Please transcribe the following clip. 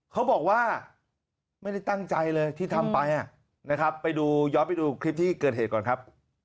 เขาบอกว่าไม่ได้ตั้งใจเลยที่ทำไปนะครับไปดูย้อนไปดูคลิปที่เกิดเหตุก่อนครับ